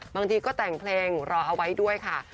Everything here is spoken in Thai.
บางทีก็แต่งเพลงรอเอาไว้ด้วยค่ะ